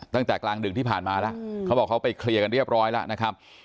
ตั้งแต่กลางดึกที่ผ่านมาแล้วเขาบอกเขาไปเคลียร์กันเรียบร้อยแล้วนะครับ